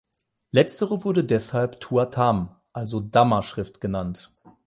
Letztere wurde deshalb "Tua Tham", also „Dhamma-Schrift“ genannt.